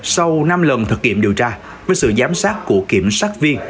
sau năm lần thực nghiệm điều tra với sự giám sát của kiểm sát viên